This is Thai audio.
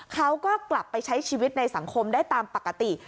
เขาก็กลับไปใช้ชีวิตในสังคมได้ตามปกติ